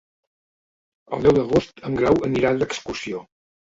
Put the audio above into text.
El deu d'agost en Grau anirà d'excursió.